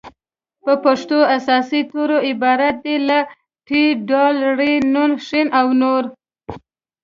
د پښتو اساسي توري عبارت دي له : ټ ډ ړ ڼ ښ او نور